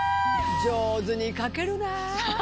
上手にかけるなあ。